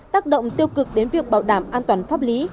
tác động tiêu cực đến việc bảo đảm an toàn pháp lý